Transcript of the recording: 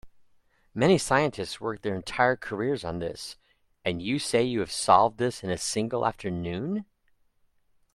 Many scientists work their entire careers on this, and you say you have solved this in a single afternoon?